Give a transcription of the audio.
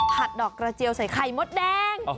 ดอกกระเจียวใส่ไข่มดแดง